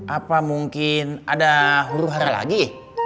apa mungkin ada huru hara lagi